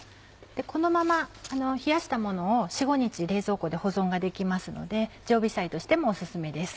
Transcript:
このまま冷やしたものを４５日冷蔵庫で保存ができますので常備菜としてもお薦めです。